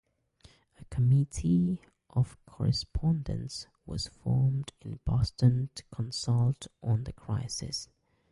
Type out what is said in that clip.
A committee of correspondence was formed in Boston to consult on the crisis.